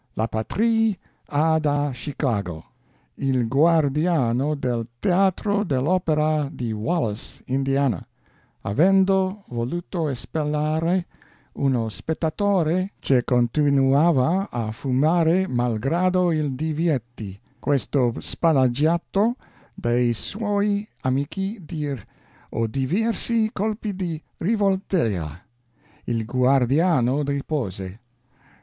La PATRIE ha da Chicago: Il guardiano del teatro dell'opera di Walace (Indiana), avendo voluto espellare uno spettatore che continuava a fumare malgrado il diviety, questo spalleggiato dai suoi amici tir`o diversi colpi di rivoltella. Il guardiano ripose.